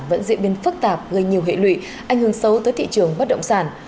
vẫn diễn biến phức tạp gây nhiều hệ lụy ảnh hưởng xấu tới thị trường bất động sản